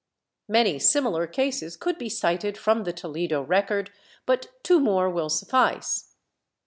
Many similar cases could be cited from the Toledo record, but two more will suffice.